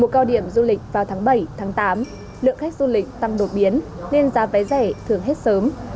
cao điểm du lịch vào tháng bảy tám lượng khách du lịch tăng đột biến nên giá vé rẻ thường hết sớm